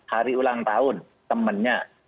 hari ulang tahun temennya